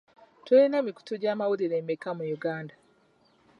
Tulina emikutu gy'amawulire emeka mu Uganda?